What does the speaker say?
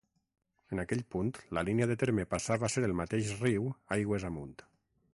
En aquell punt la línia de terme passava a ser el mateix riu, aigües amunt.